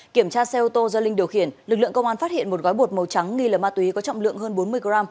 kiểm tra xe ô tô do linh điều khiển lực lượng công an phát hiện một gói bột màu trắng nghi là ma túy có trọng lượng hơn bốn mươi g